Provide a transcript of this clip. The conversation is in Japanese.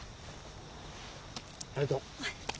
ありがとう。